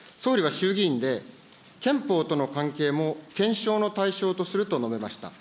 総理は衆議院で憲法との関係も検証の対象とすると述べました。